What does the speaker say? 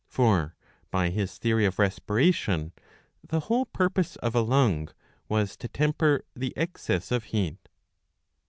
For, by his theory of respira ^^ tlon," the whole purpose of a lung was to temper the excess of heat.